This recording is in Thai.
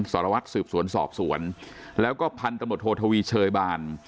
สารวัตรสืบสวนสอบสวนแล้วก็พันธุ์ตำรวจโททวีเชยบาน